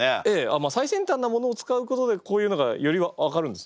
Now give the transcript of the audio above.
まあ最先端なものを使うことでこういうのがより分かるんですよ。